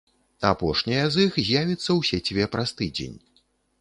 Апошняя з іх з'явіцца ў сеціве праз тыдзень.